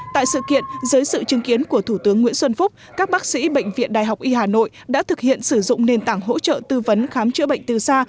tại sự kiện dưới sự chứng kiến của thủ tướng nguyễn xuân phúc các bác sĩ bệnh viện đại học y hà nội đã thực hiện sử dụng nền tảng hỗ trợ tư vấn khám chữa bệnh từ xa